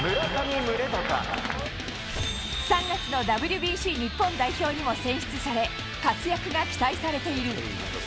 ３月のＷＢＣ日本代表にも選出され、活躍が期待されている。